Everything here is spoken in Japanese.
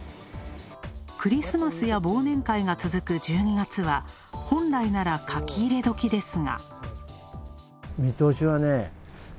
クリスマスや忘年会が続く１２月は本来ならかき入れ時ですが。